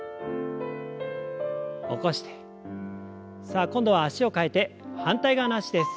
さあ今度は脚を替えて反対側の脚です。